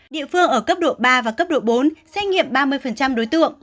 địa phương ở cấp độ ba và cấp độ bốn xét nghiệm ba mươi đối tượng